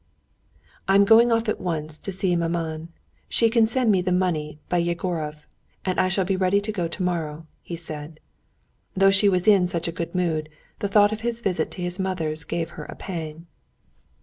"I'm going off at once to see maman; she can send me the money by Yegorov. And I shall be ready to go tomorrow," he said. Though she was in such a good mood, the thought of his visit to his mother's gave her a pang.